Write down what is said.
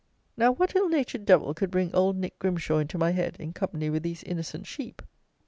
Now, what ill natured devil could bring Old Nic Grimshaw into my head in company with these innocent sheep?